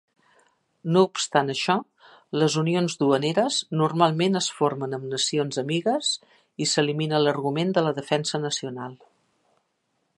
No obstant això, les unions duaneres normalment es formen amb nacions amigues i s'elimina l'argument de la defensa nacional.